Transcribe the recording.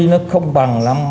nó không bằng